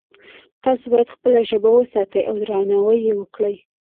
تاسو باید خپله ژبه وساتئ او درناوی یې وکړئ